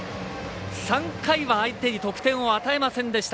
３回は相手に得点を与えませんでした